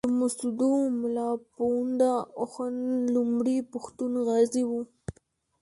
د مسودو ملا پوونده اخُند لومړی پښتون غازي وو.